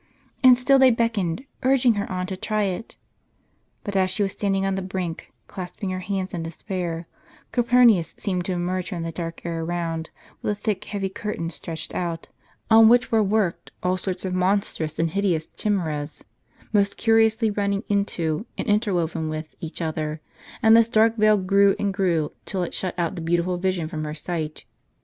And still they beckoned, urging her on to try it. But as she was stand ing on the brink, clasping her hands in despair, Calpurnius seemed to emerge from the dark air around, with a thick heavy curtain stretched out, on which Avere worked all sorts of monstrous and hideous chimeras, most curiously running into, and interwoven with, each other; and this dark veil grew and grew, till it shut out the beautiful vision from her sight.